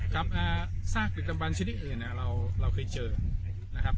ครับล้าซากศพกฎร์บรรชนิดอื่นเราเคยเจอนะครับ